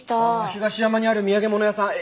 東山にある土産物屋さん！